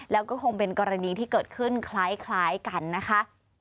แล้วก็คงเป็นกรณีที่เกิดขึ้นคล้ายกันนะคะ